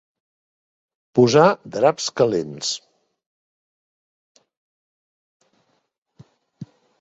Posar draps calents.